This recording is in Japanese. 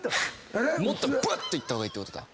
もっとブッ！といった方がいいってことだ。